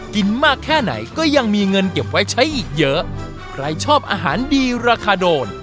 มากแค่ไหนก็ยังมีเงินเก็บไว้ใช้อีกเยอะใครชอบอาหารดีราคาโดน